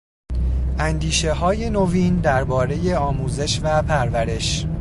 اندیشههای نوین دربارهی آموزش و پرورش